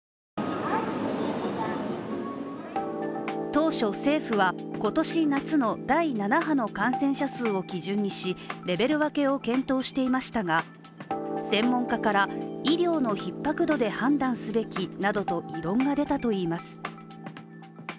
当初、政府は、今年夏の第７波の感染者数を基準にしレベル分けを検討していましたが専門家から、医療のひっ迫度で判断すべきなどと異論が出たといいます。